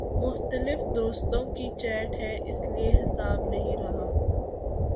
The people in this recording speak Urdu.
مختلف دوستوں کی چیٹ ہے اس لیے حساب نہیں رہا